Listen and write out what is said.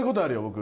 僕。